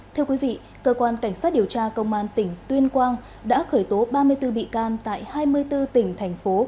thưa quý vị cơ quan cảnh sát điều tra công an tỉnh tuyên quang đã khởi tố ba mươi bốn bị can tại hai mươi bốn tỉnh thành phố